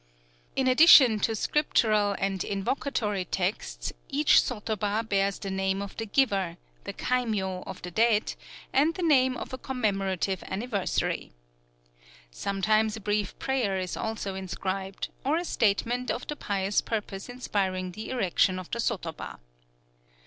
In addition to scriptural and invocatory texts, each sotoba bears the name of the giver, the kaimyō of the dead, and the name of a commemorative anniversary. Sometimes a brief prayer is also inscribed, or a statement of the pious purpose inspiring the erection of the sotoba.